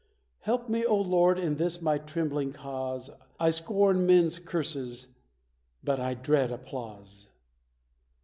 Help me, O Lord, in this my trembling cause. I scorn men's curses, but I dread applause.